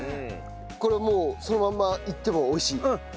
これはもうそのまんまいっても美味しい？